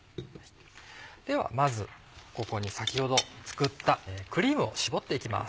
ではまずここに先ほど作ったクリームを絞って行きます。